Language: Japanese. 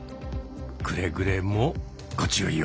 くれぐれもご注意を。